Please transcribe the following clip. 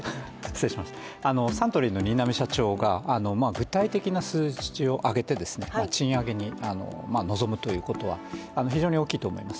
サントリーの新浪社長が具体的な数字を挙げて賃上げに臨むということは非常に大きいと思います。